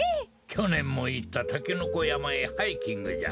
きょねんもいったタケノコやまへハイキングじゃ。